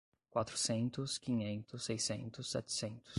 Quatrocentos, quinhentos, seiscentos, setecentos